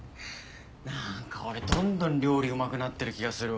何か俺どんどん料理うまくなってる気がするわ。